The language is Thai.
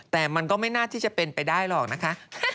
แต่มันก็ไม่น่าที่จะเป็นไปได้หรอกนะคะ